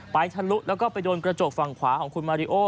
ทะลุแล้วก็ไปโดนกระจกฝั่งขวาของคุณมาริโอ